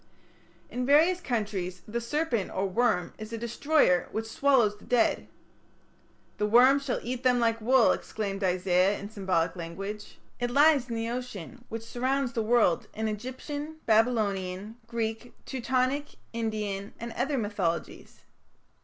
In various countries the serpent or worm is a destroyer which swallows the dead. "The worm shall eat them like wool", exclaimed Isaiah in symbolic language. It lies in the ocean which surrounds the world in Egyptian, Babylonian, Greek, Teutonic, Indian, and other mythologies.